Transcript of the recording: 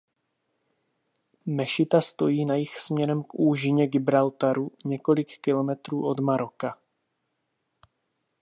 Mešita stojí na jih směrem k úžině Gibraltaru několik kilometrů od Maroka.